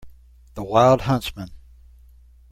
The wild huntsman.